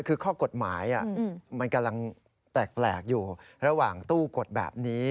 คือข้อกฎหมายมันกำลังแปลกอยู่ระหว่างตู้กดแบบนี้